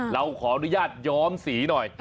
เราขออนุญาตย้อมสีหน่อย